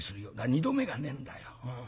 ２度目がねえんだよ。